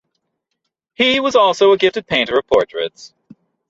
He was also a gifted painter of portraits.